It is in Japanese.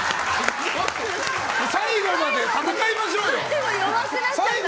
最後まで戦いましょうよ！